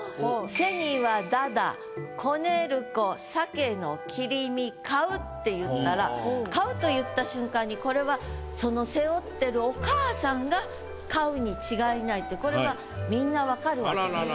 「背には駄々こねる子鮭の切り身買う」って言ったら「買う」と言った瞬間にこれはその背負ってるお母さんがこれはみんな分かるわけです。